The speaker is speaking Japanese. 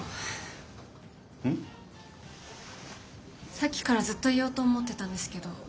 さっきからずっと言おうと思ってたんですけど。